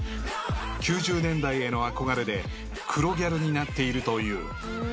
［９０年代への憧れで黒ギャルになっているという］